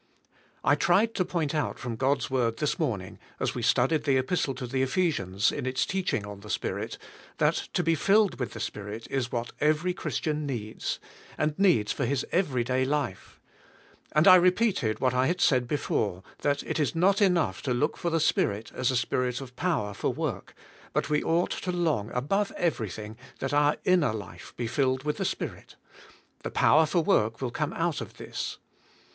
I tried to point out from 74 THE SPIRITUAL LIFE. God's word this morning, as we studied the Epistle to the Kphesians in its teaching on the Spirit, that to be filled with the Spirit is what every Christian needs, and needs for his every day life; and I re peated what I had said before, that it is not enough to look for the Spirit as a Spirit of power for work, but we ought to long above everything that our inner life be filled with the Spirit, the power for work will come out of this.